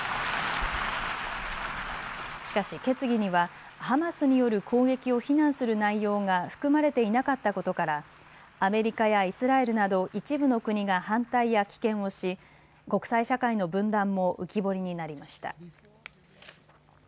しかし決議にはハマスによる攻撃を非難する内容が含まれていなかったことからアメリカやイスラエルなど一部の国が反対や棄権をし、国際社会の分断も浮き彫りになりました。